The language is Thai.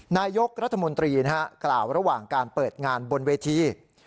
นายกรัฐมนตรีกล่าวระหว่างการเปิดงานบนเวที